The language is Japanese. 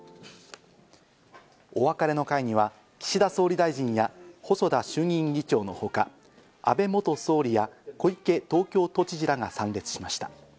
お別れの会には岸田総理大臣や細田衆議院議長のほか、安倍元総理や小池東京都知事らが参列しました。